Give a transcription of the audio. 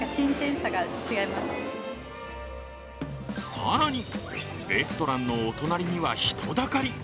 更に、レストランのお隣には人だかり。